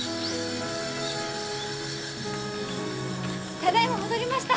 ただいま戻りました！